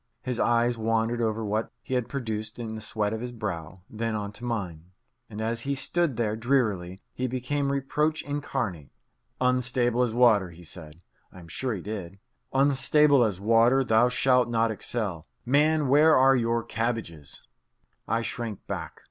His eyes wandered over what he had produced in the sweat of his brow, then on to mine. And as he stood there drearily, he became reproach incarnate. "Unstable as water," he said (I am sure he did) "unstable as water, thou shalt not excel. Man, where are your cabbages?" I shrank back.